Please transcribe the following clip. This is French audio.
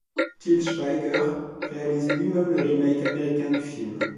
Til Schweiger réalise lui-même le remake américain du film.